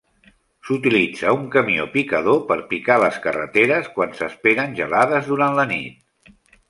S'utilitza un camió picador per picar les carreteres quan s'esperen gelades durant la nit